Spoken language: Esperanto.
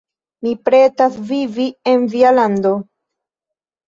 Mi pretas vivi en via lando!